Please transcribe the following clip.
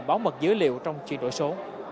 bảo mật dữ liệu trong chuyển đổi số